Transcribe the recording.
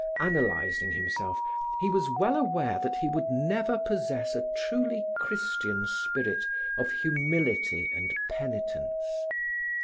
Analyzing himself, he was well aware that he would never possess a truly Christian spirit of humility and penitence.